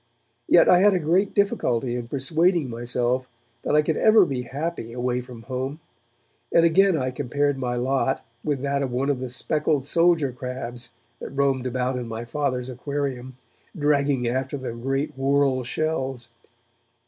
Yet I had a great difficulty in persuading myself that I could ever be happy away from home, and again I compared my lot with that of one of the speckled soldier crabs that roamed about in my Father's aquarium, dragging after them great whorl shells.